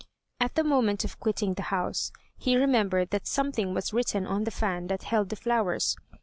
At the moment of quitting the house he remembered that something was written on the fan that held the flowers.